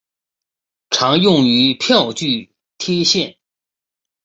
常用于票据贴现。